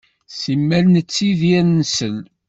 Simmal nettidir nsell.